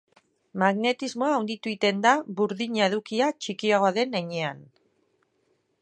Magnetismoa handitu egiten da burdina-edukia txikiagoa den heinean.